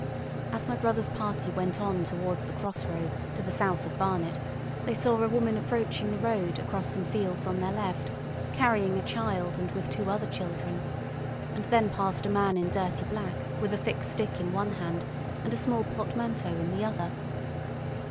As my brother's party went on towards the crossroads to the south of Barnet they saw a woman approaching the road across some fields on their left, carrying a child and with two other children; and then passed a man in dirty black, with a thick stick in one hand and a small portmanteau in the other.